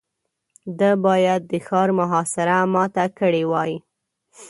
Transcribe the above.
ده بايد د ښار محاصره ماته کړې وای.